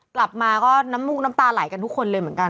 กลับมาก็น้ำมุกน้ำตาไหลกันทุกคนเลยเหมือนกัน